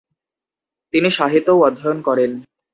তিনি সাহিত্যও অধ্যয়ন করেন।